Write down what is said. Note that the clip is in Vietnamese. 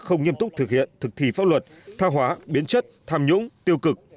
không nghiêm túc thực hiện thực thi pháp luật tha hóa biến chất tham nhũng tiêu cực